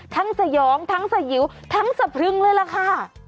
สยองทั้งสยิวทั้งสะพรึงเลยล่ะค่ะ